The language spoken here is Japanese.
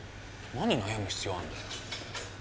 何悩む必要あんだよ？